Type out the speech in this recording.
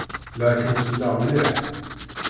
La ak-n-selleɣ mliḥ.